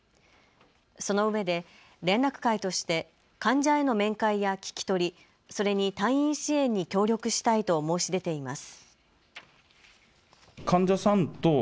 そのうえで連絡会として患者への面会や聞き取り、それに退院支援に協力したいと申し出ています。